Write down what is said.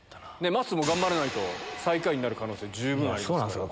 まっすーも頑張らないと最下位の可能性十分あります。